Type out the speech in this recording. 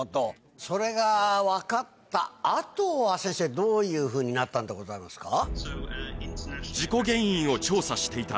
それが分かった後は先生どういうふうになったんでございますか？